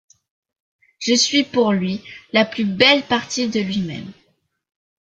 Je suis pour lui la plus belle partie de lui-même.